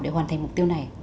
để hoàn thành mục tiêu này